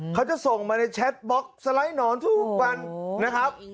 เขาจะส่งมาในแชทบล็อกสไลด์หนอนทุกวันนะครับ